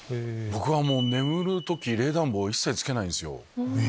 僕は眠る時冷暖房一切つけないんですよ。